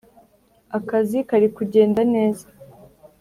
akazi karikugenda neza”